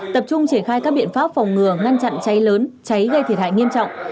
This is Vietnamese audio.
tập trung triển khai các biện pháp phòng ngừa ngăn chặn cháy lớn cháy gây thiệt hại nghiêm trọng